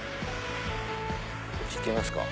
こっち行ってみますか。